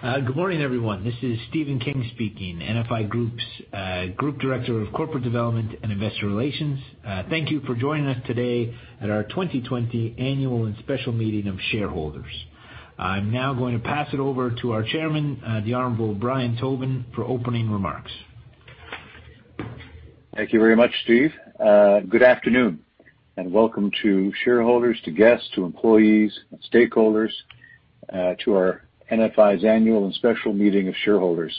Good morning, everyone. This is Stephen King speaking, NFI Group's Group Director of Corporate Development and Investor Relations. Thank you for joining us today at our 2020 Annual and Special Meeting of Shareholders. I'm now going to pass it over to our Chairman, the Honorable Brian Tobin, for opening remarks. Thank you very much, Steve. Good afternoon, welcome to shareholders, to guests, to employees and stakeholders, to our NFI's Annual and Special Meeting of Shareholders.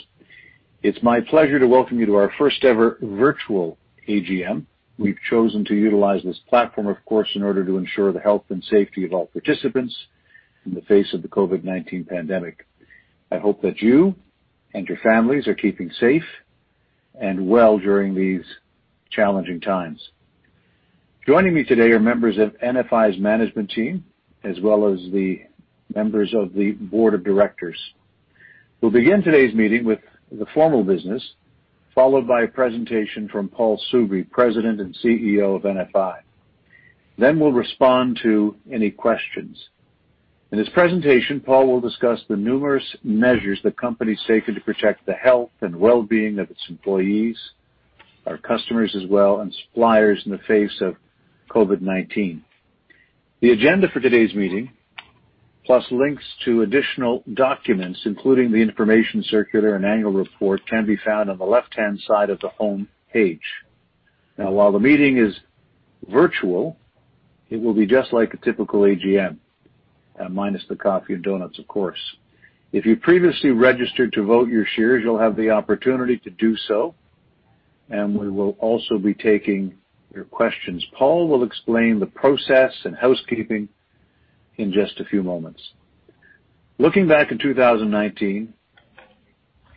It's my pleasure to welcome you to our first-ever virtual AGM. We've chosen to utilize this platform, of course, in order to ensure the health and safety of all participants in the face of the COVID-19 pandemic. I hope that you and your families are keeping safe and well during these challenging times. Joining me today are members of NFI's management team, as well as the members of the board of directors. We'll begin today's meeting with the formal business, followed by a presentation from Paul Soubry, President and CEO of NFI. We'll respond to any questions. In his presentation, Paul Soubry will discuss the numerous measures the company's taken to protect the health and well-being of its employees, our customers as well, and suppliers in the face of COVID-19. The agenda for today's meeting, plus links to additional documents, including the information circular and annual report, can be found on the left-hand side of the home page. Now, while the meeting is virtual, it will be just like a typical AGM, minus the coffee and donuts, of course. If you previously registered to vote your shares, you'll have the opportunity to do so, and we will also be taking your questions. Paul Soubry will explain the process and housekeeping in just a few moments. Looking back at 2019,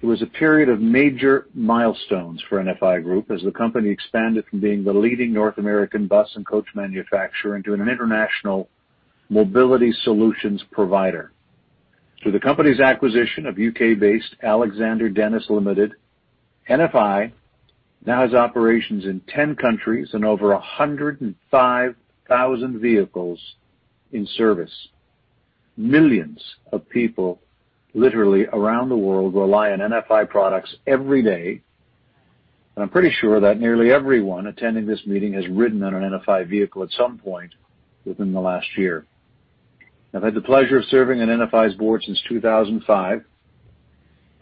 it was a period of major milestones for NFI Group as the company expanded from being the leading North American bus and coach manufacturer into an international mobility solutions provider. Through the company's acquisition of U.K. based Alexander Dennis Limited, NFI now has operations in 10 countries and over 105,000 vehicles in service. Millions of people literally around the world rely on NFI products every day, I'm pretty sure that nearly everyone attending this meeting has ridden on an NFI vehicle at some point within the last year. I've had the pleasure of serving on NFI's board since 2005,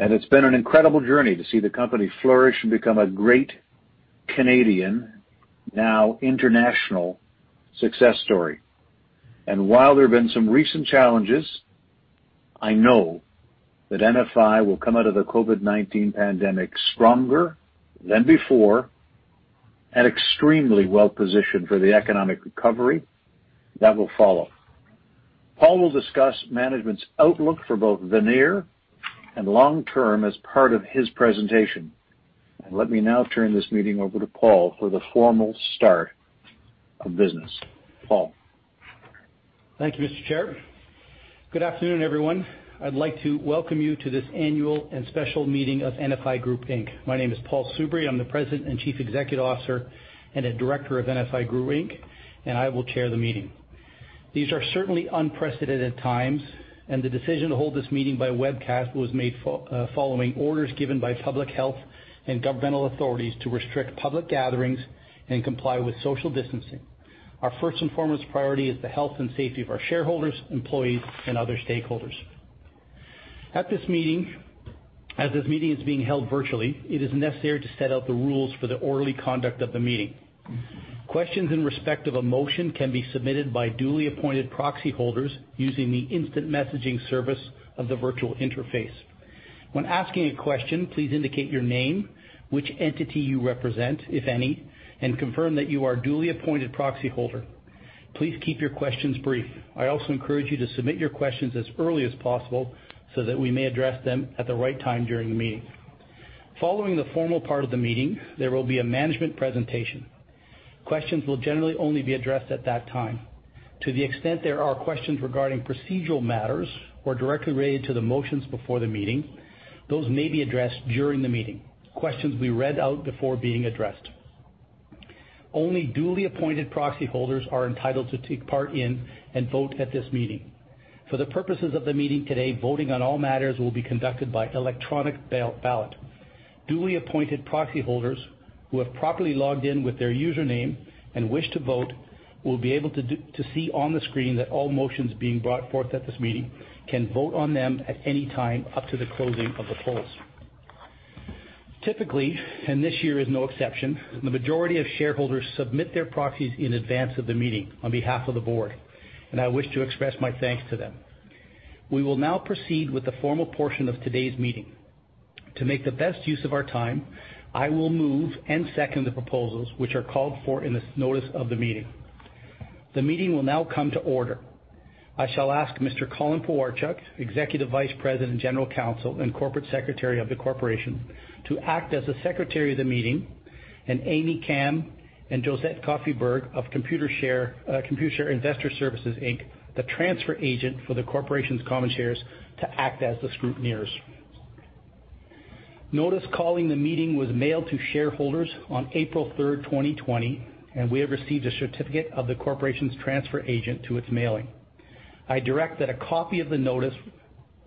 it's been an incredible journey to see the company flourish and become a great Canadian, now international, success story. While there have been some recent challenges, I know that NFI will come out of the COVID-19 pandemic stronger than before and extremely well-positioned for the economic recovery that will follow. Paul will discuss management's outlook for both the near and long term as part of his presentation. Let me now turn this meeting over to Paul for the formal start of business. Paul. Thank you, Mr. Chair. Good afternoon, everyone. I'd like to welcome you to this Annual and Special Meeting of NFI Group Inc. My name is Paul Soubry. I'm the President and Chief Executive Officer and a Director of NFI Group Inc., and I will chair the meeting. These are certainly unprecedented times, and the decision to hold this meeting by webcast was made following orders given by public health and governmental authorities to restrict public gatherings and comply with social distancing. Our first and foremost priority is the health and safety of our shareholders, employees, and other stakeholders. As this meeting is being held virtually, it is necessary to set out the rules for the orderly conduct of the meeting. Questions in respect of a motion can be submitted by duly appointed proxy holders using the instant messaging service of the virtual interface. When asking a question, please indicate your name, which entity you represent, if any, and confirm that you are a duly appointed proxy holder. Please keep your questions brief. I also encourage you to submit your questions as early as possible so that we may address them at the right time during the meeting. Following the formal part of the meeting, there will be a management presentation. Questions will generally only be addressed at that time. To the extent there are questions regarding procedural matters or directly related to the motions before the meeting, those may be addressed during the meeting. Questions will be read out before being addressed. Only duly appointed proxy holders are entitled to take part in and vote at this meeting. For the purposes of the meeting today, voting on all matters will be conducted by electronic ballot. Duly appointed proxy holders who have properly logged in with their username and wish to vote will be able to see on the screen that all motions being brought forth at this meeting can vote on them at any time up to the closing of the polls. Typically, this year is no exception, the majority of shareholders submit their proxies in advance of the meeting on behalf of the board, and I wish to express my thanks to them. We will now proceed with the formal portion of today's meeting. To make the best use of our time, I will move and second the proposals which are called for in the notice of the meeting. The meeting will now come to order. I shall ask Mr. Colin Pewarchuk, Executive Vice President, General Counsel, and Corporate Secretary of the corporation, to act as the Secretary of the meeting, and Amy Kam and Josette Koffyberg of Computershare Investor Services Inc., the transfer agent for the corporation's common shares, to act as the scrutineers. Notice calling the meeting was mailed to shareholders on April 3rd, 2020. We have received a certificate of the corporation's transfer agent to its mailing. I direct that a copy of the notice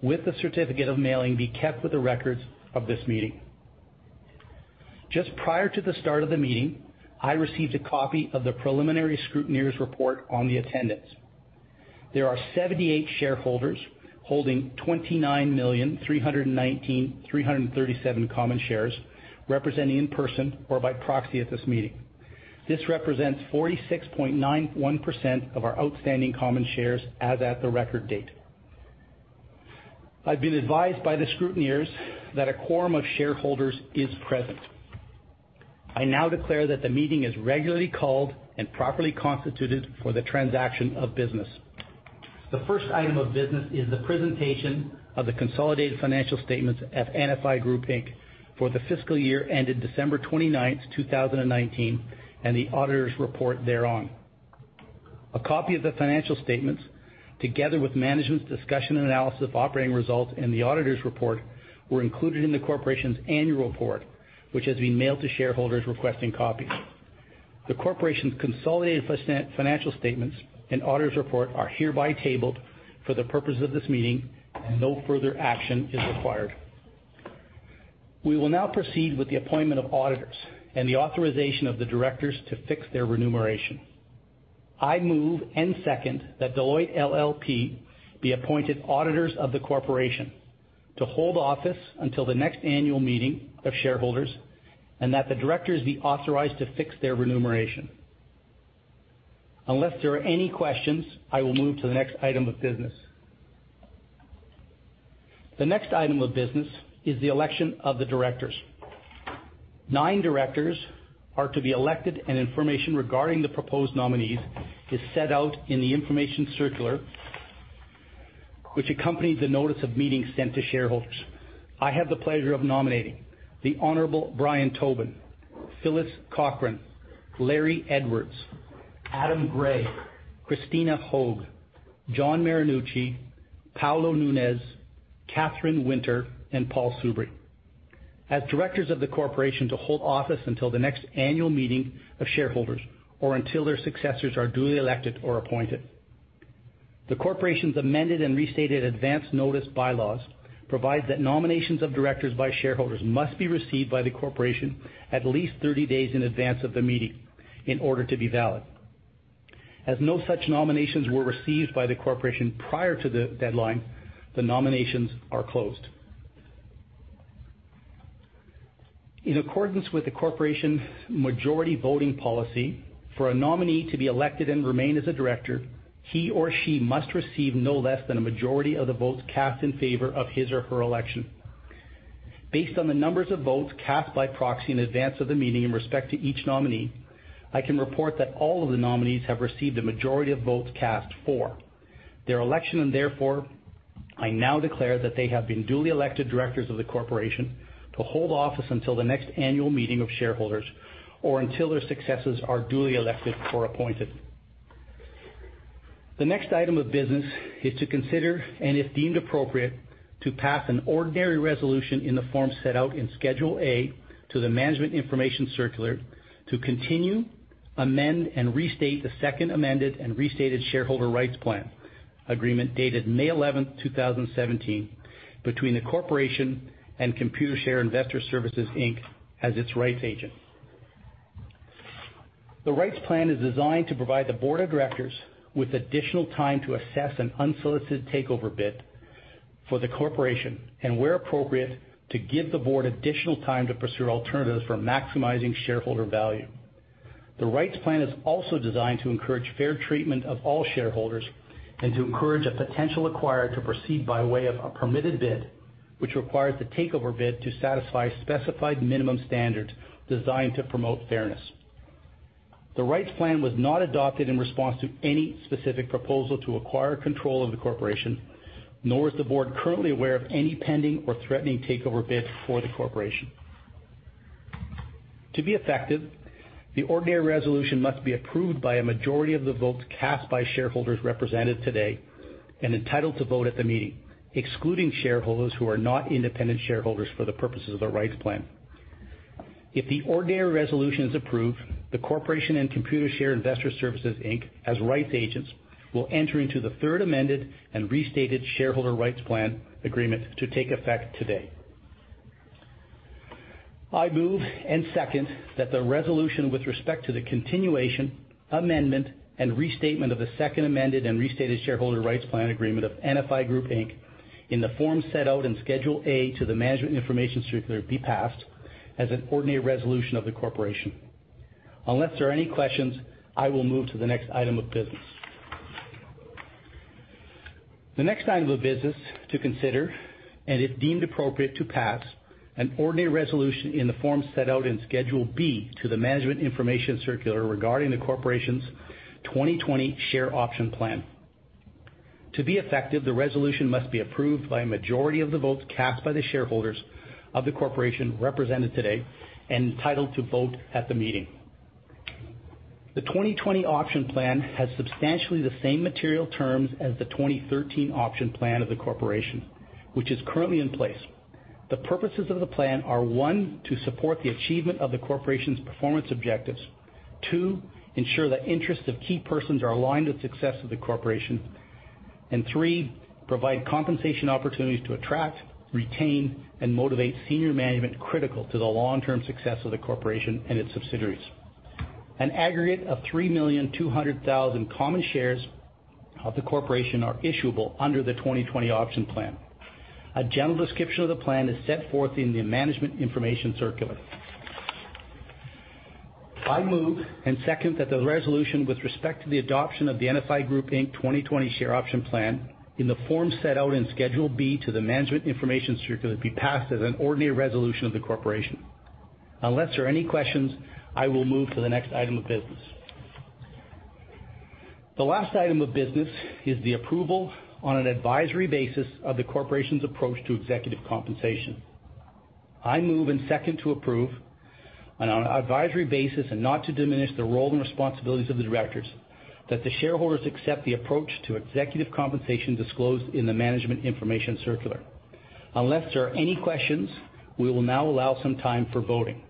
with the certificate of mailing be kept with the records of this meeting. Just prior to the start of the meeting, I received a copy of the preliminary scrutineers report on the attendance. There are 78 shareholders holding 29,319,337 common shares representing in person or by proxy at this meeting. This represents 46.91% of our outstanding common shares as at the record date. I've been advised by the scrutineers that a quorum of shareholders is present. I now declare that the meeting is regularly called and properly constituted for the transaction of business. The first item of business is the presentation of the consolidated financial statements at NFI Group Inc. for the fiscal year ended December 29th, 2019, and the auditor's report thereon. A copy of the financial statements, together with management's discussion and analysis of operating results and the auditor's report, were included in the corporation's annual report, which has been mailed to shareholders requesting copies. The corporation's consolidated financial statements and auditor's report are hereby tabled for the purpose of this meeting, and no further action is required. We will now proceed with the appointment of auditors and the authorization of the directors to fix their remuneration. I move and second that Deloitte LLP be appointed auditors of the corporation to hold office until the next annual meeting of shareholders, and that the directors be authorized to fix their remuneration. Unless there are any questions, I will move to the next item of business. The next item of business is the election of the directors. Nine directors are to be elected, and information regarding the proposed nominees is set out in the information circular, which accompanied the notice of meeting sent to shareholders. I have the pleasure of nominating the Honorable Brian Tobin, Phyllis Cochran, Larry Edwards, Adam Gray, Krystyna Hoeg, John Marinucci, Paulo Nunes, Kathryn Winter, and Paul Soubry as directors of the corporation to hold office until the next annual meeting of shareholders or until their successors are duly elected or appointed. The corporation's amended and restated advanced notice bylaws provide that nominations of directors by shareholders must be received by the corporation at least 30 days in advance of the meeting in order to be valid. As no such nominations were received by the corporation prior to the deadline, the nominations are closed. In accordance with the corporation majority voting policy, for a nominee to be elected and remain as a director, he or she must receive no less than a majority of the votes cast in favor of his or her election. Based on the numbers of votes cast by proxy in advance of the meeting in respect to each nominee, I can report that all of the nominees have received a majority of votes cast for their election, and therefore, I now declare that they have been duly elected directors of the corporation to hold office until the next annual meeting of shareholders or until their successors are duly elected or appointed. The next item of business is to consider, and if deemed appropriate, to pass an ordinary resolution in the form set out in Schedule A to the management information circular to continue, amend, and restate the second amended and restated shareholder rights plan agreement dated May 11th, 2017, between the corporation and Computershare Investor Services Inc. as its rights agent. The rights plan is designed to provide the board of directors with additional time to assess an unsolicited takeover bid for the corporation, and where appropriate, to give the board additional time to pursue alternatives for maximizing shareholder value. The rights plan is also designed to encourage fair treatment of all shareholders and to encourage a potential acquirer to proceed by way of a permitted bid, which requires the takeover bid to satisfy specified minimum standards designed to promote fairness. The rights plan was not adopted in response to any specific proposal to acquire control of the corporation, nor is the board currently aware of any pending or threatening takeover bid for the corporation. To be effective, the ordinary resolution must be approved by a majority of the votes cast by shareholders represented today and entitled to vote at the meeting, excluding shareholders who are not independent shareholders for the purposes of the rights plan. If the ordinary resolution is approved, the corporation and Computershare Investor Services Inc., as rights agents, will enter into the third amended and restated shareholder rights plan agreement to take effect today. I move and second that the resolution with respect to the continuation, amendment, and restatement of the second amended and restated shareholder rights plan agreement of NFI Group Inc. in the form set out in Schedule A to the management information circular be passed as an ordinary resolution of the corporation. Unless there are any questions, I will move to the next item of business. The next item of business to consider, and if deemed appropriate, to pass an ordinary resolution in the form set out in Schedule B to the management information circular regarding the corporation's 2020 share option plan. To be effective, the resolution must be approved by a majority of the votes cast by the shareholders of the corporation represented today and entitled to vote at the meeting. The 2020 option plan has substantially the same material terms as the 2013 option plan of the corporation, which is currently in place. The purposes of the plan are, One, to support the achievement of the corporation's performance objectives. Two, ensure the interests of key persons are aligned with success of the corporation. Three, provide compensation opportunities to attract, retain, and motivate senior management critical to the long-term success of the corporation and its subsidiaries. An aggregate of 3,200,000 common shares of the corporation are issuable under the 2020 option plan. A general description of the plan is set forth in the management information circular. I move and second that the resolution with respect to the adoption of the NFI Group Inc. 2020 share option plan in the form set out in Schedule B to the management information circular be passed as an ordinary resolution of the corporation. Unless there are any questions, I will move to the next item of business. The last item of business is the approval on an advisory basis of the corporation's approach to executive compensation. I move and second to approve, on an advisory basis and not to diminish the role and responsibilities of the directors, that the shareholders accept the approach to executive compensation disclosed in the management information circular. Unless there are any questions, we will now allow some time for voting.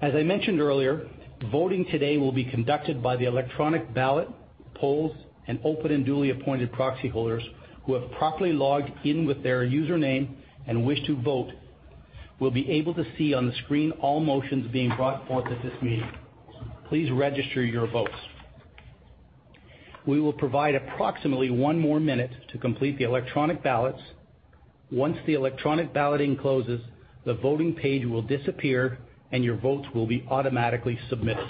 As I mentioned earlier, voting today will be conducted by the electronic ballot polls, and open and duly appointed proxy holders who have properly logged in with their username and wish to vote will be able to see on the screen all motions being brought forth at this meeting. Please register your votes. We will provide approximately one more minute to complete the electronic ballots. Once the electronic balloting closes, the voting page will disappear, and your votes will be automatically submitted.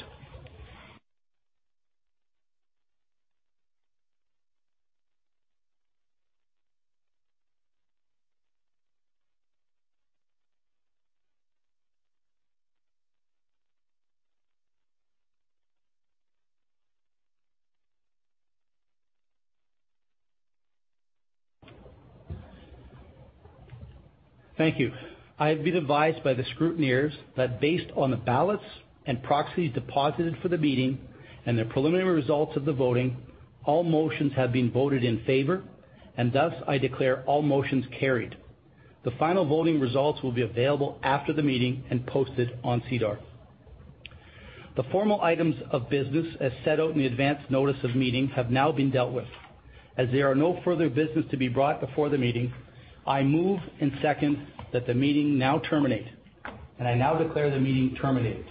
Thank you. I have been advised by the scrutineers that based on the ballots and proxies deposited for the meeting and the preliminary results of the voting, all motions have been voted in favor, and thus I declare all motions carried. The final voting results will be available after the meeting and posted on SEDAR. The formal items of business, as set out in the advanced notice of meeting, have now been dealt with. As there are no further business to be brought before the meeting, I move and second that the meeting now terminate, and I now declare the meeting terminated.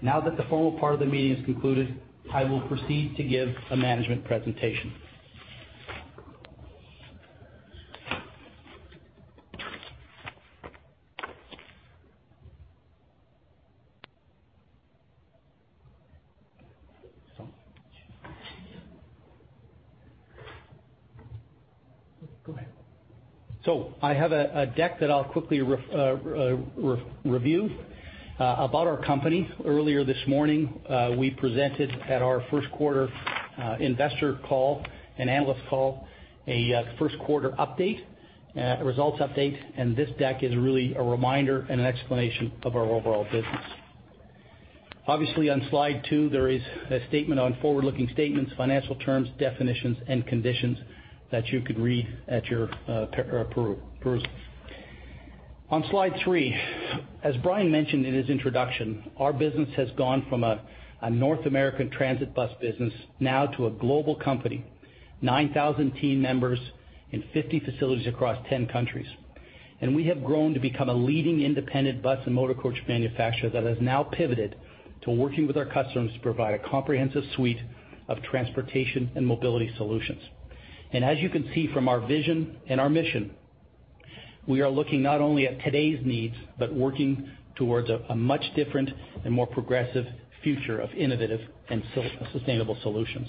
Now that the formal part of the meeting is concluded, I will proceed to give a management presentation. Go ahead. I have a deck that I'll quickly review about our company. Earlier this morning, we presented at our first quarter investor call and analyst call, a first quarter update, results update, and this deck is really a reminder and an explanation of our overall business. Obviously, on slide two, there is a statement on forward-looking statements, financial terms, definitions, and conditions that you could read at your perusal. On slide three, as Brian mentioned in his introduction, our business has gone from a North American transit bus business now to a global company, 9,000 team members in 50 facilities across 10 countries. We have grown to become a leading independent bus and motor coach manufacturer that has now pivoted to working with our customers to provide a comprehensive suite of transportation and mobility solutions. As you can see from our vision and our mission, we are looking not only at today's needs, but working towards a much different and more progressive future of innovative and sustainable solutions.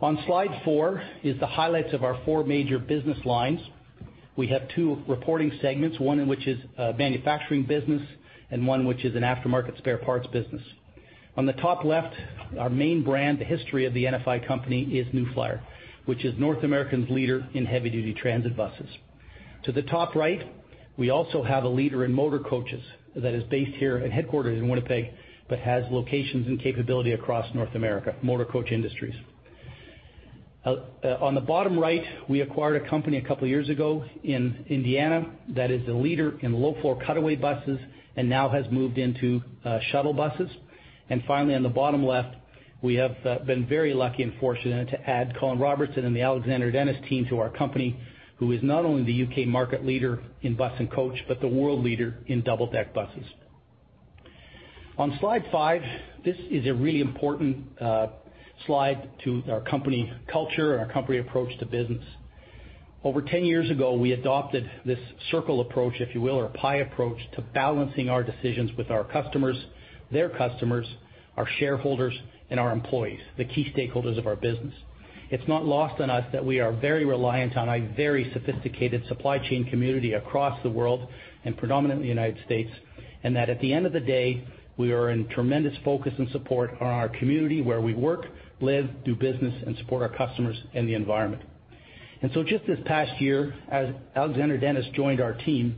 On slide four is the highlights of our four major business lines. We have two reporting segments, one in which is a manufacturing business and one which is an aftermarket spare parts business. On the top left, our main brand, the history of the NFI company is New Flyer, which is North America's leader in heavy-duty transit buses. To the top right, we also have a leader in motor coaches that is based here and headquartered in Winnipeg but has locations and capability across North America, Motor Coach Industries. On the bottom right, we acquired a company a couple of years ago in Indiana that is the leader in low-floor cutaway buses and now has moved into shuttle buses. Finally, on the bottom left, we have been very lucky and fortunate to add Colin Robertson and the Alexander Dennis team to our company, who is not only the U.K. market leader in bus and coach, but the world leader in double-deck buses. On slide five, this is a really important slide to our company culture and our company approach to business. Over 10 years ago, we adopted this circle approach, if you will, or a pie approach, to balancing our decisions with our customers, their customers, our shareholders, and our employees, the key stakeholders of our business. It's not lost on us that we are very reliant on a very sophisticated supply chain community across the world, predominantly U.S., and that at the end of the day, we are in tremendous focus and support on our community where we work, live, do business, and support our customers and the environment. Just this past year, as Alexander Dennis joined our team,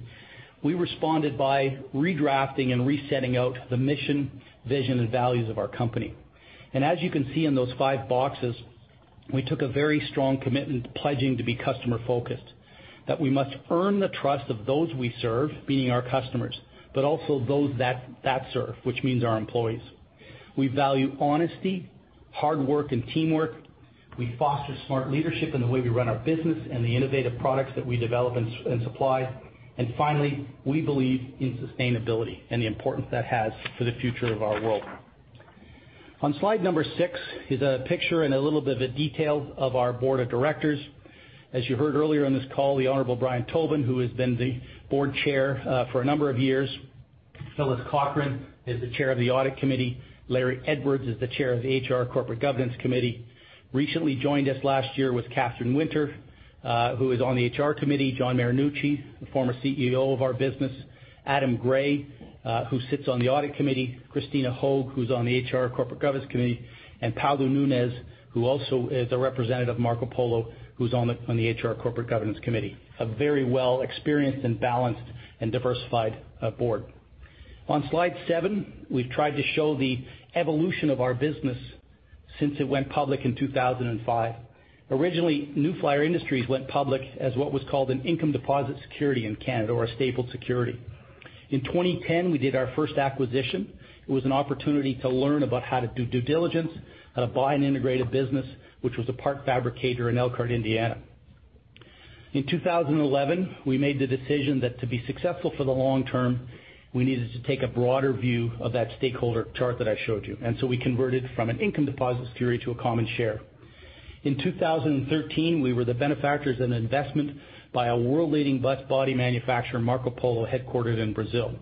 we responded by redrafting and resetting out the mission, vision, and values of our company. As you can see in those five boxes, we took a very strong commitment pledging to be customer-focused, that we must earn the trust of those we serve, meaning our customers, but also those that serve, which means our employees. We value honesty, hard work, and teamwork. We foster smart leadership in the way we run our business and the innovative products that we develop and supply. Finally, we believe in sustainability and the importance that has for the future of our world. On slide number six is a picture and a little bit of a detail of our board of directors. As you heard earlier on this call, the Honorable Brian Tobin, who has been the board chair for a number of years. Phyllis Cochran is the chair of the audit committee. Larry Edwards is the chair of the HR corporate governance committee. Recently joined us last year was Kathryn Winter, who is on the HR committee. John Marinucci, the former CEO of our business. Adam Gray, who sits on the audit committee. Krystyna Hoeg, who's on the HR corporate governance committee, and Paulo Nunes, who also is a representative of Marcopolo, who's on the HR corporate governance committee. A very well experienced and balanced and diversified board. On slide seven, we've tried to show the evolution of our business since it went public in 2005. Originally, New Flyer Industries went public as what was called an income deposit security in Canada, or a stapled security. In 2010, we did our first acquisition. It was an opportunity to learn about how to do due diligence, how to buy an integrated business, which was a part fabricator in Elkhart, Indiana. In 2011, we made the decision that to be successful for the long term, we needed to take a broader view of that stakeholder chart that I showed you. We converted from an income deposit security to a common share. In 2013, we were the benefactors in an investment by a world-leading bus body manufacturer, Marcopolo, headquartered in Brazil,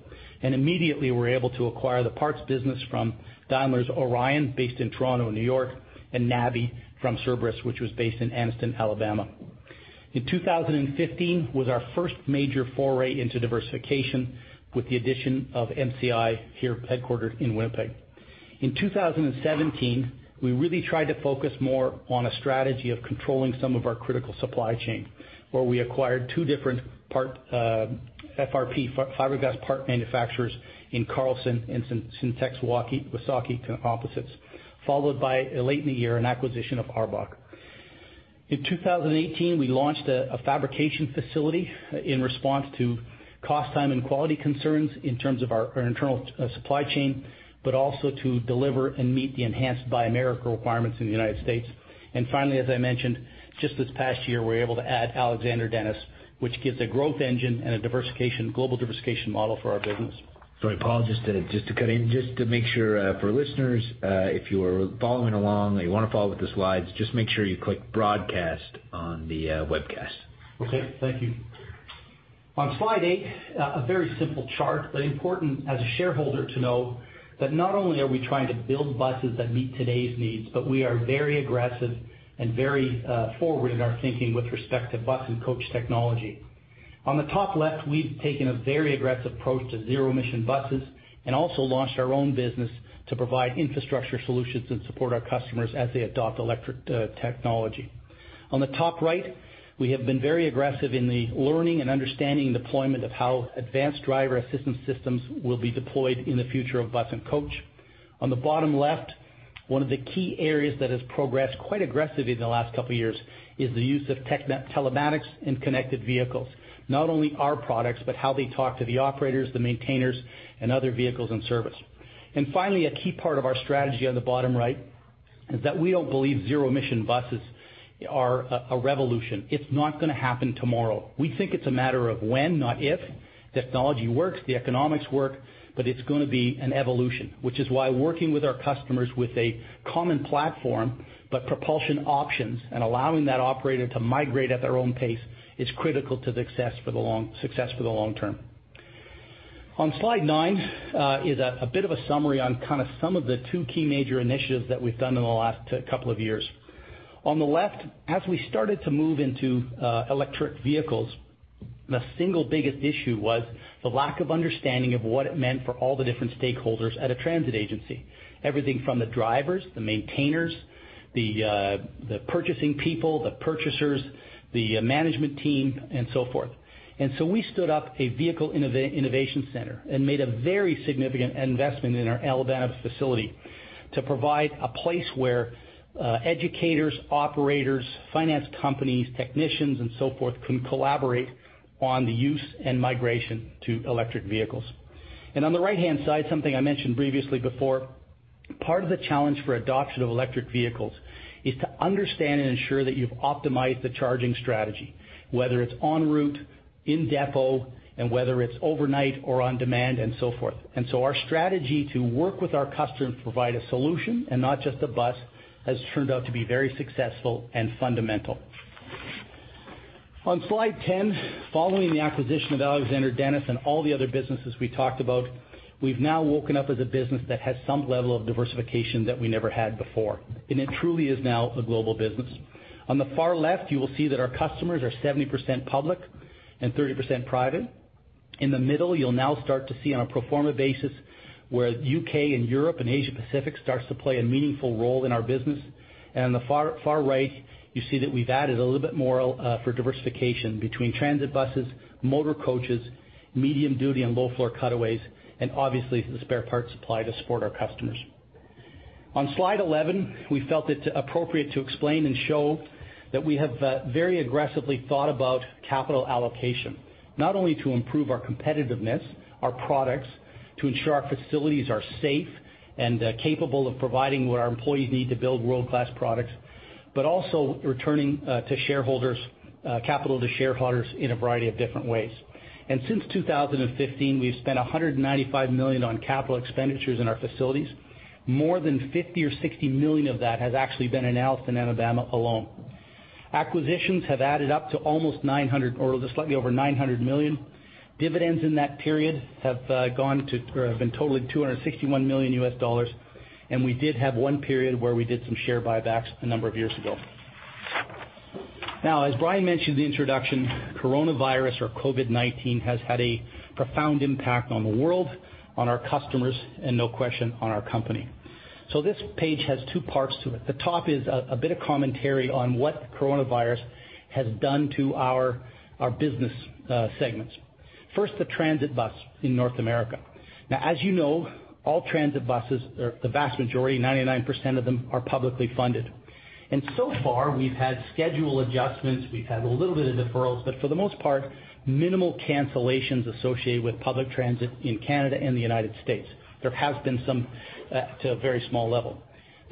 and immediately were able to acquire the parts business from Daimler's Orion, based in Toronto and New York, and NABI from Cerberus, which was based in Anniston, Alabama. In 2015 was our first major foray into diversification with the addition of MCI, here headquartered in Winnipeg. In 2017, we really tried to focus more on a strategy of controlling some of our critical supply chain, where we acquired two different FRP, fiberglass part manufacturers in Carlson and Sintex-Wausaukee Composites, followed by, late in the year, an acquisition of ARBOC. In 2018, we launched a fabrication facility in response to cost, time, and quality concerns in terms of our internal supply chain, but also to deliver and meet the enhanced Buy America requirements in the U.S. Finally, as I mentioned, just this past year, we were able to add Alexander Dennis, which gives a growth engine and a global diversification model for our business. Sorry, Paul, just to cut in, just to make sure, for listeners, if you're following along or you want to follow with the slides, just make sure you click broadcast on the webcast. Okay, thank you. On slide eight, a very simple chart, but important as a shareholder to know that not only are we trying to build buses that meet today's needs, but we are very aggressive and very forward in our thinking with respect to bus and coach technology. On the top left, we've taken a very aggressive approach to zero emission buses and also launched our own business to provide infrastructure solutions and support our customers as they adopt electric technology. On the top right, we have been very aggressive in the learning and understanding deployment of how advanced driver assistance systems will be deployed in the future of bus and coach. On the bottom left, one of the key areas that has progressed quite aggressively in the last couple of years is the use of telematics and connected vehicles. Not only our products, but how they talk to the operators, the maintainers, and other vehicles and service. Finally, a key part of our strategy on the bottom right is that we don't believe zero emission buses are a revolution. It's not going to happen tomorrow. We think it's a matter of when, not if. Technology works, the economics work, but it's going to be an evolution, which is why working with our customers with a common platform, but propulsion options and allowing that operator to migrate at their own pace is critical to success for the long term. On slide nine is a bit of a summary on kind of some of the two key major initiatives that we've done in the last couple of years. On the left, as we started to move into electric vehicles, the single biggest issue was the lack of understanding of what it meant for all the different stakeholders at a transit agency. Everything from the drivers, the maintainers, the purchasing people, the purchasers, the management team, and so forth. We stood up a Vehicle Innovation Center and made a very significant investment in our Alabama facility to provide a place where educators, operators, finance companies, technicians, and so forth can collaborate on the use and migration to electric vehicles. On the right-hand side, something I mentioned previously before, part of the challenge for adoption of electric vehicles is to understand and ensure that you've optimized the charging strategy, whether it's on route, in depot, and whether it's overnight or on demand and so forth. Our strategy to work with our customers to provide a solution and not just a bus has turned out to be very successful and fundamental. On slide 10, following the acquisition of Alexander Dennis and all the other businesses we talked about, we've now woken up as a business that has some level of diversification that we never had before, and it truly is now a global business. On the far left, you will see that our customers are 70% public and 30% private. In the middle, you'll now start to see on a pro forma basis where U.K. and Europe and Asia Pacific starts to play a meaningful role in our business. On the far right, you see that we've added a little bit more for diversification between transit buses, motor coaches, medium-duty and low-floor cutaways, and obviously, the spare parts supply to support our customers. On slide 11, we felt it appropriate to explain and show that we have very aggressively thought about capital allocation. Not only to improve our competitiveness, our products, to ensure our facilities are safe and capable of providing what our employees need to build world-class products, but also returning capital to shareholders in a variety of different ways. Since 2015, we've spent 195 million on capital expenditures in our facilities. More than 50 or 60 million of that has actually been in Anniston, Alabama alone. Acquisitions have added up to slightly over 900 million. Dividends in that period have been totaling $261 million, and we did have one period where we did some share buybacks a number of years ago. As Brian mentioned in the introduction, coronavirus or COVID-19 has had a profound impact on the world, on our customers, and no question, on our company. This page has two parts to it. The top is a bit of commentary on what coronavirus has done to our business segments. First, the transit bus in North America. As you know, all transit buses are, the vast majority, 99% of them, are publicly funded. So far, we've had schedule adjustments, we've had a little bit of deferrals, but for the most part, minimal cancellations associated with public transit in Canada and the United States. There has been some to a very small level.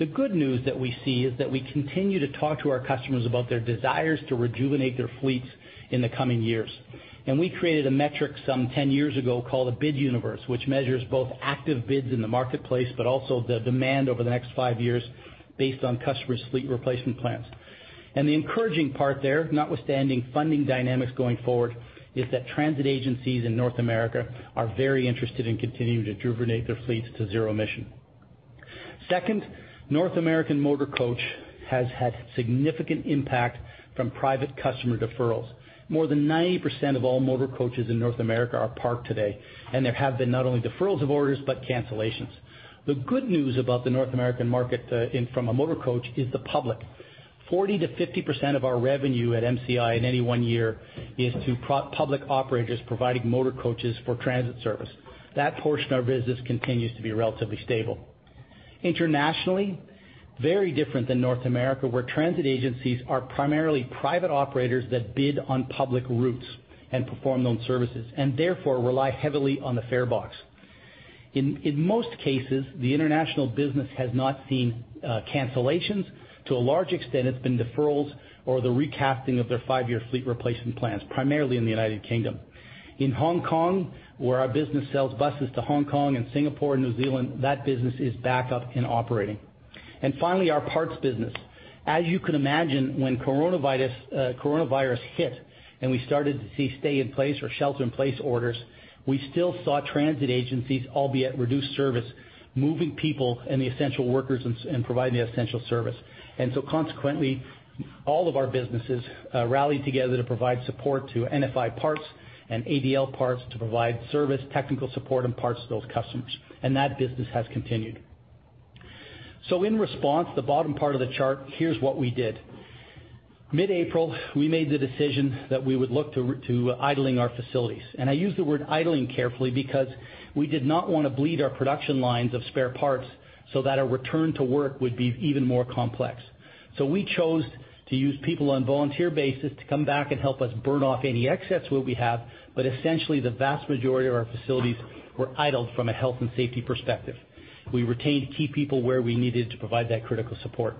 The good news that we see is that we continue to talk to our customers about their desires to rejuvenate their fleets in the coming years. We created a metric some 10 years ago called a Bid Universe, which measures both active bids in the marketplace, but also the demand over the next five years based on customers' fleet replacement plans. The encouraging part there, notwithstanding funding dynamics going forward, is that transit agencies in North America are very interested in continuing to rejuvenate their fleets to zero emission. Second, North American motor coach has had significant impact from private customer deferrals. More than 90% of all motor coaches in North America are parked today, and there have been not only deferrals of orders, but cancellations. The good news about the North American market from a motor coach is the public. 40%-50% of our revenue at MCI in any one year is to public operators providing motor coaches for transit service. That portion of our business continues to be relatively stable. Internationally, very different than North America, where transit agencies are primarily private operators that bid on public routes and perform those services, and therefore, rely heavily on the fare box. In most cases, the international business has not seen cancellations. To a large extent, it's been deferrals or the recasting of their five-year fleet replacement plans, primarily in the United Kingdom. In Hong Kong, where our business sells buses to Hong Kong and Singapore, New Zealand, that business is back up and operating. Finally, our parts business. As you can imagine, when coronavirus hit and we started to see stay-in-place or shelter-in-place orders, we still saw transit agencies, albeit reduced service, moving people and the essential workers and providing the essential service. Consequently, all of our businesses rallied together to provide support to NFI Parts and ADL Parts to provide service, technical support, and parts to those customers, and that business has continued. In response, the bottom part of the chart, here's what we did. Mid-April, we made the decision that we would look to idling our facilities. I use the word idling carefully because we did not want to bleed our production lines of spare parts so that a return to work would be even more complex. We chose to use people on volunteer basis to come back and help us burn off any excess what we have, but essentially, the vast majority of our facilities were idled from a health and safety perspective. We retained key people where we needed to provide that critical support.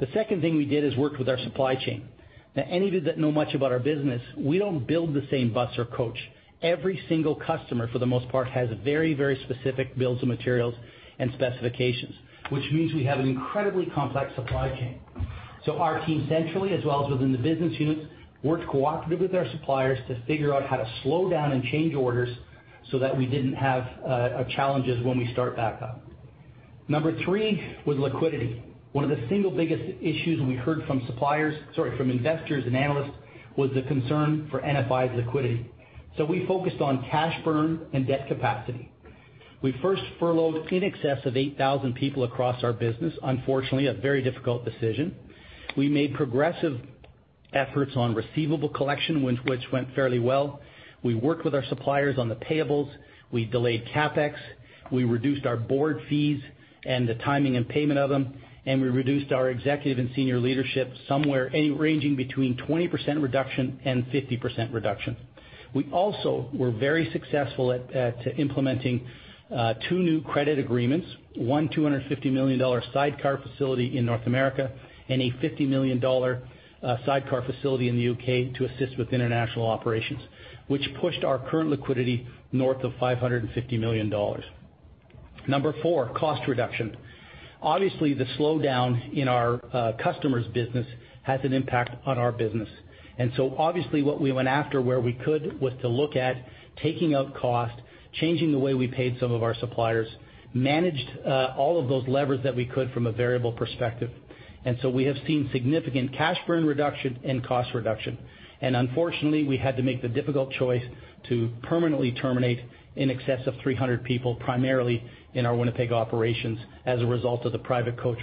The second thing we did is worked with our supply chain. Any of you that know much about our business, we don't build the same bus or coach. Every single customer, for the most part, has very specific builds of materials and specifications, which means we have an incredibly complex supply chain. Our team centrally, as well as within the business units, worked cooperatively with our suppliers to figure out how to slow down and change orders so that we didn't have challenges when we start back up. Number three was liquidity. One of the single biggest issues we heard from suppliers, sorry, from investors and analysts, was the concern for NFI's liquidity. We focused on cash burn and debt capacity. We first furloughed in excess of 8,000 people across our business. Unfortunately, a very difficult decision. We made progressive efforts on receivable collection, which went fairly well. We worked with our suppliers on the payables. We delayed CapEx. We reduced our board fees and the timing and payment of them, and we reduced our executive and senior leadership somewhere ranging between 20% reduction and 50% reduction. We also were very successful at implementing two new credit agreements, one 250 million dollar sidecar facility in North America, and a 50 million dollar sidecar facility in the U.K. to assist with international operations, which pushed our current liquidity north of 550 million dollars. Number four, cost reduction. Obviously, the slowdown in our customers' business has an impact on our business. Obviously what we went after where we could, was to look at taking out cost, changing the way we paid some of our suppliers, managed all of those levers that we could from a variable perspective. We have seen significant cash burn reduction and cost reduction. Unfortunately, we had to make the difficult choice to permanently terminate in excess of 300 people, primarily in our Winnipeg operations as a result of the private coach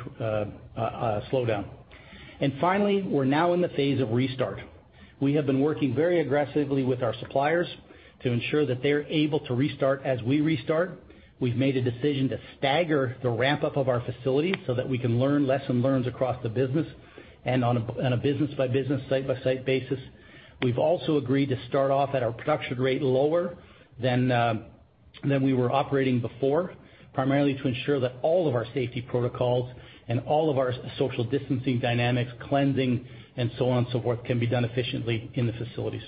slowdown. Finally, we're now in the phase of restart. We have been working very aggressively with our suppliers to ensure that they're able to restart as we restart. We've made a decision to stagger the ramp-up of our facilities so that we can learn lesson learns across the business, and on a business-by-business, site-by-site basis. We've also agreed to start off at our production rate lower than we were operating before, primarily to ensure that all of our safety protocols and all of our social distancing dynamics, cleansing and so on and so forth, can be done efficiently in the facilities.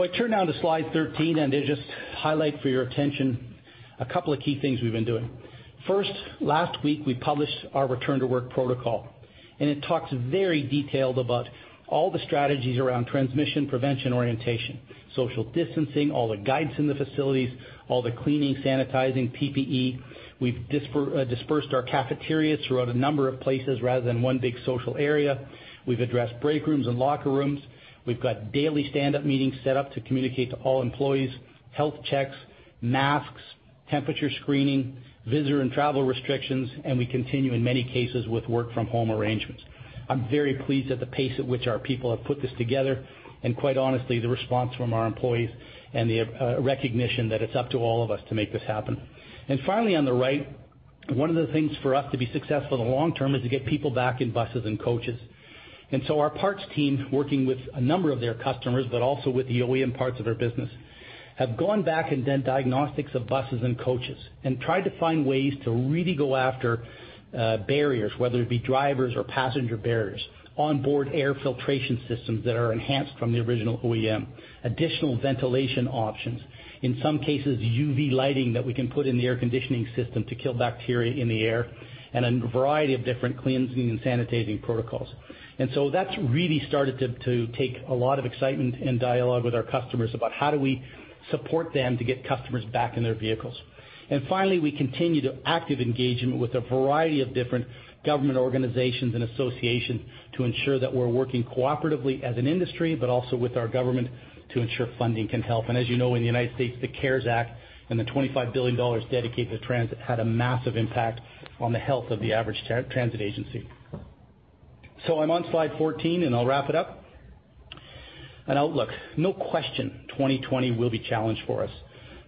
I turn now to slide 13, and I just highlight for your attention a couple of key things we've been doing. First, last week we published our return to work protocol, and it talks very detailed about all the strategies around transmission prevention orientation, social distancing, all the guidance in the facilities, all the cleaning, sanitizing, PPE. We've dispersed our cafeterias throughout a number of places rather than one big social area. We've addressed break rooms and locker rooms. We've got daily standup meetings set up to communicate to all employees, health checks, masks, temperature screening, visitor and travel restrictions, and we continue in many cases with work from home arrangements. I'm very pleased at the pace at which our people have put this together, and quite honestly, the response from our employees and the recognition that it's up to all of us to make this happen. Finally, on the right, one of the things for us to be successful in the long term is to get people back in buses and coaches. Our parts team, working with a number of their customers, but also with the OEM parts of our business, have gone back and done diagnostics of buses and coaches and tried to find ways to really go after barriers, whether it be drivers or passenger barriers, onboard air filtration systems that are enhanced from the original OEM, additional ventilation options. In some cases, UV lighting that we can put in the air conditioning system to kill bacteria in the air, and a variety of different cleansing and sanitizing protocols. That's really started to take a lot of excitement and dialogue with our customers about how do we support them to get customers back in their vehicles. Finally, we continue to active engagement with a variety of different government organizations and associations to ensure that we're working cooperatively as an industry, but also with our government to ensure funding can help. As you know, in the United States, the CARES Act and the $25 billion dedicated to transit had a massive impact on the health of the average transit agency. I'm on slide 14, and I'll wrap it up. An outlook. No question 2020 will be a challenge for us,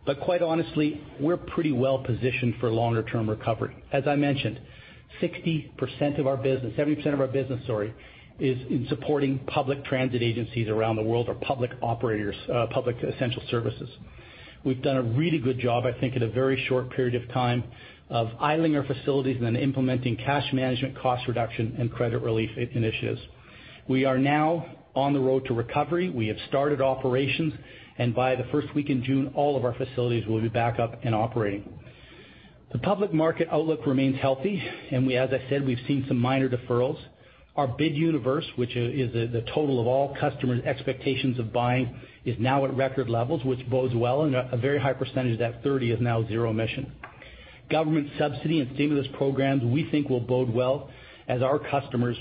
but quite honestly, we're pretty well-positioned for longer-term recovery. As I mentioned, 60% of our business, 70% of our business, sorry, is in supporting public transit agencies around the world or public operators, public essential services. We've done a really good job, I think, in a very short period of time of idling our facilities and then implementing cash management, cost reduction, and credit relief initiatives. We are now on the road to recovery. We have started operations, and by the first week in June, all of our facilities will be back up and operating. The public market outlook remains healthy, and as I said, we've seen some minor deferrals. Our Bid Universe, which is the total of all customers' expectations of buying, is now at record levels, which bodes well and a very high percentage of that 30 is now zero emission. Government subsidy and stimulus programs we think will bode well as our customers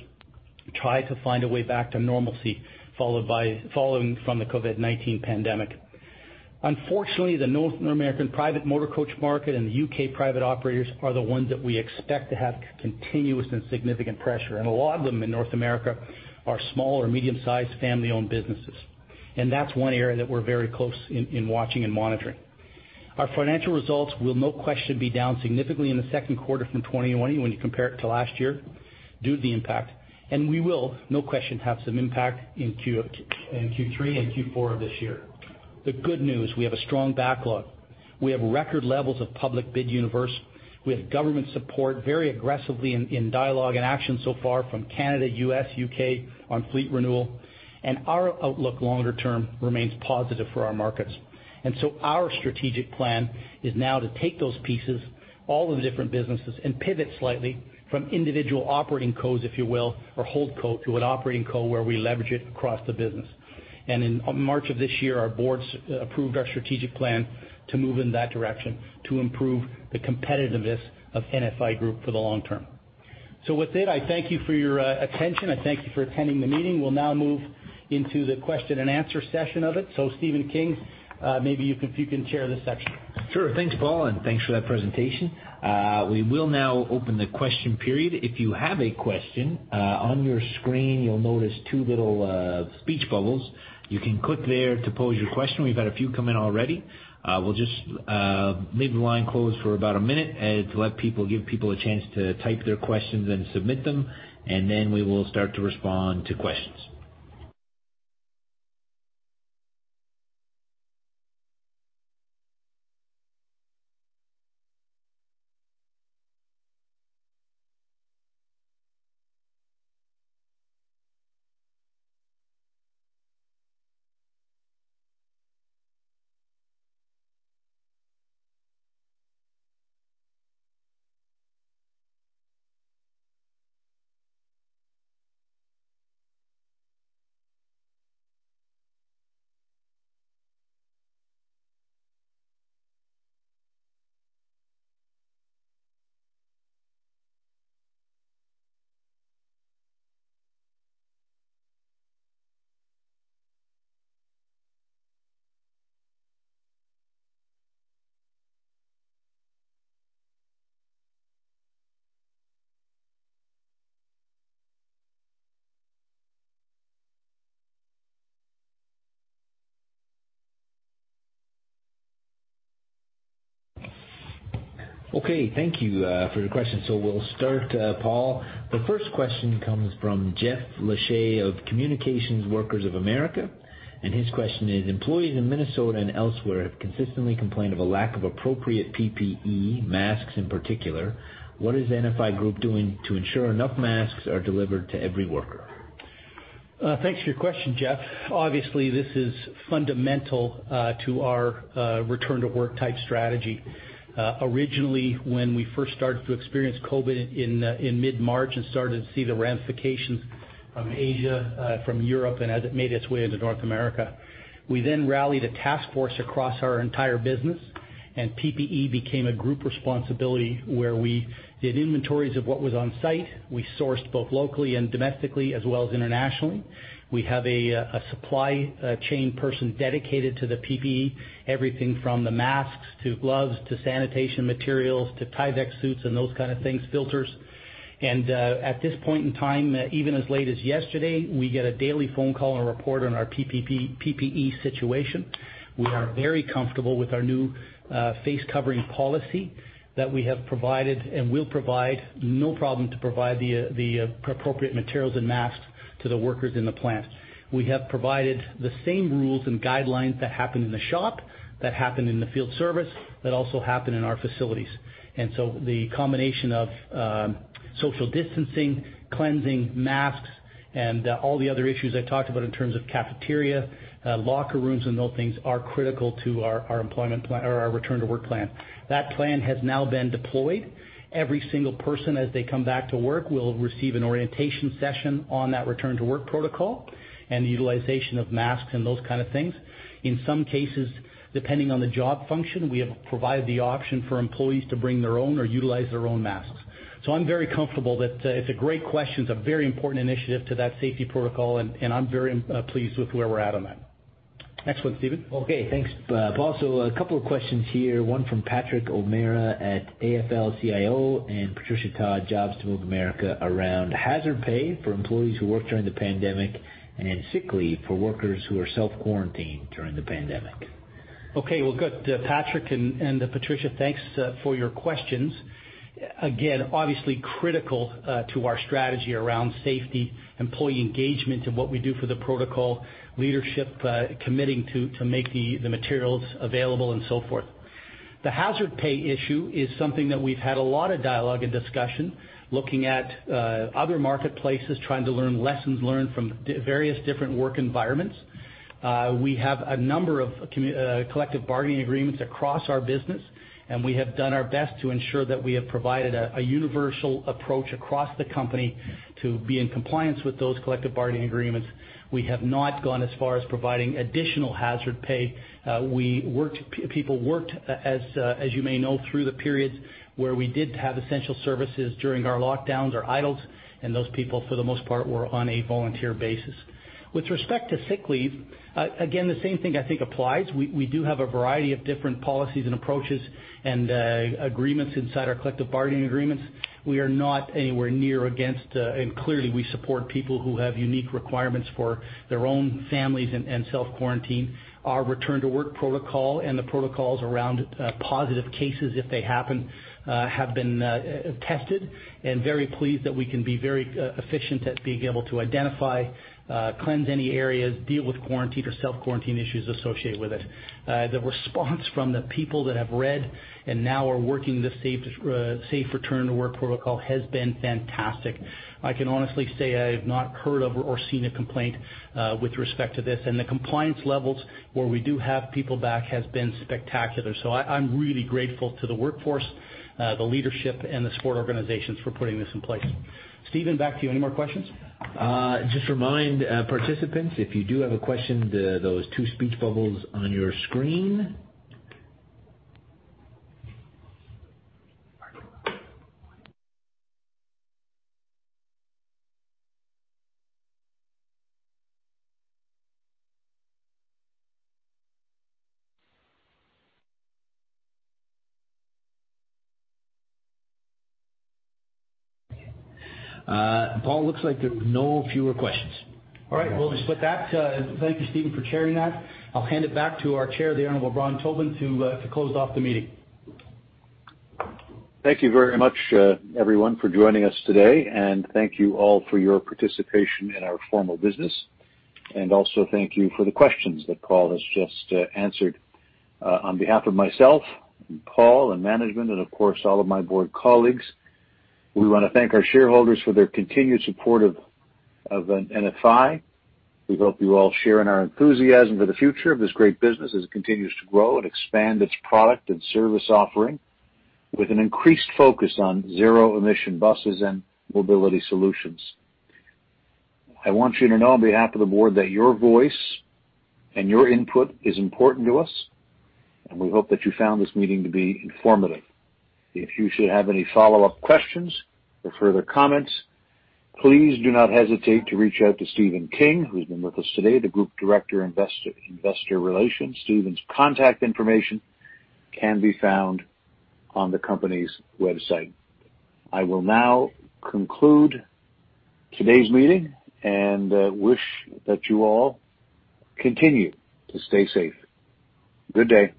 try to find a way back to normalcy following from the COVID-19 pandemic. Unfortunately, the North American private motor coach market and the U.K. private operators are the ones that we expect to have continuous and significant pressure. A lot of them in North America are small or medium-sized family-owned businesses. That's one area that we're very close in watching and monitoring. Our financial results will no question be down significantly in the second quarter from 2020 when you compare it to last year due to the impact. We will, no question, have some impact in Q3 and Q4 of this year. The good news, we have a strong backlog. We have record levels of public Bid Universe. We have government support very aggressively in dialogue and action so far from Canada, U.S., U.K. on fleet renewal, and our outlook longer term remains positive for our markets. Our strategic plan is now to take those pieces, all of the different businesses, and pivot slightly from individual operating cos, if you will, or hold co to an operating co where we leverage it across the business. In March of this year, our boards approved our strategic plan to move in that direction to improve the competitiveness of NFI Group for the long term. With it, I thank you for your attention. I thank you for attending the meeting. We'll now move into the question and answer session of it. Stephen King, maybe if you can chair this section. Sure. Thanks, Paul, and thanks for that presentation. We will now open the question period. If you have a question, on your screen you'll notice two little speech bubbles. You can click there to pose your question. We've had a few come in already. We'll just leave the line closed for about a minute to give people a chance to type their questions and submit them. Then we will start to respond to questions. Thank you for your question. We'll start, Paul. The first question comes from Jeff Lacher of Communications Workers of America. His question is: employees in Minnesota and elsewhere have consistently complained of a lack of appropriate PPE, masks in particular. What is NFI Group doing to ensure enough masks are delivered to every worker? Thanks for your question, Jeff. Obviously, this is fundamental to our return to work type strategy. Originally, when we first started to experience COVID in mid-March and started to see the ramifications from Asia, from Europe, and as it made its way into North America, we then rallied a task force across our entire business, and PPE became a group responsibility where we did inventories of what was on site. We sourced both locally and domestically, as well as internationally. We have a supply chain person dedicated to the PPE, everything from the masks to gloves, to sanitation materials, to Tyvek suits and those kind of things, filters. At this point in time, even as late as yesterday, we get a daily phone call and report on our PPE situation. We are very comfortable with our new face covering policy that we have provided and will provide no problem to provide the appropriate materials and masks to the workers in the plant. We have provided the same rules and guidelines that happen in the shop, that happen in the field service, that also happen in our facilities. The combination of social distancing, cleansing, masks, and all the other issues I talked about in terms of cafeteria, locker rooms and those things are critical to our return to work plan. That plan has now been deployed. Every single person, as they come back to work, will receive an orientation session on that return to work protocol and the utilization of masks and those kind of things. In some cases, depending on the job function, we have provided the option for employees to bring their own or utilize their own masks. I'm very comfortable that it's a great question. It's a very important initiative to that safety protocol. I'm very pleased with where we're at on that. Next one, Stephen. Okay, thanks, Paul. A couple of questions here, one from Patrick O'Meara at AFL-CIO and Patricia Todd, Jobs to Move America, around hazard pay for employees who work during the pandemic and sick leave for workers who are self-quarantined during the pandemic. Okay, well, good. Patrick and Patricia, thanks for your questions. Again, obviously critical to our strategy around safety, employee engagement, and what we do for the protocol, leadership committing to make the materials available and so forth. The hazard pay issue is something that we've had a lot of dialogue and discussion, looking at other marketplaces, trying to learn lessons learned from various different work environments. We have a number of collective bargaining agreements across our business, and we have done our best to ensure that we have provided a universal approach across the company to be in compliance with those collective bargaining agreements. We have not gone as far as providing additional hazard pay. People worked, as you may know, through the periods where we did have essential services during our lockdowns or idles, and those people, for the most part, were on a volunteer basis. With respect to sick leave, again, the same thing I think applies. We do have a variety of different policies and approaches and agreements inside our collective bargaining agreements. We are not anywhere near against, and clearly we support people who have unique requirements for their own families and self-quarantine. Our return to work protocol and the protocols around positive cases, if they happen, have been tested, and very pleased that we can be very efficient at being able to identify, cleanse any areas, deal with quarantine or self-quarantine issues associated with it. The response from the people that have read and now are working the safe return to work protocol has been fantastic. I can honestly say I have not heard of or seen a complaint with respect to this. The compliance levels where we do have people back has been spectacular. I'm really grateful to the workforce, the leadership, and the support organizations for putting this in place. Stephen, back to you. Any more questions? Just remind participants, if you do have a question, those two speech bubbles on your screen. Paul, looks like there is no fewer questions. All right. Well, with that, thank you, Stephen, for chairing that. I'll hand it back to our Chair, the Honorable Brian Tobin, to close off the meeting. Thank you very much, everyone, for joining us today, and thank you all for your participation in our formal business. Also thank you for the questions that Paul has just answered. On behalf of myself and Paul and management, and of course, all of my board colleagues, we want to thank our shareholders for their continued support of NFI. We hope you all share in our enthusiasm for the future of this great business as it continues to grow and expand its product and service offering with an increased focus on zero emission buses and mobility solutions. I want you to know on behalf of the board that your voice and your input is important to us, and we hope that you found this meeting to be informative. If you should have any follow-up questions or further comments, please do not hesitate to reach out to Stephen King, who's been with us today, the Group Director, Investor Relations. Stephen's contact information can be found on the company's website. I will now conclude today's meeting and wish that you all continue to stay safe. Good day.